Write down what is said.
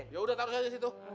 ya udah taruh aja di situ